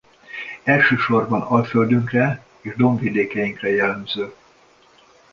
Elsősorban Alföldünkre és dombvidékeinkre jellemző.